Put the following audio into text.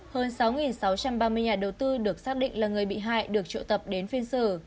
hơn sáu sáu trăm ba mươi nhà đầu tư được xác định là người bị hại được triệu tập đến phiên xử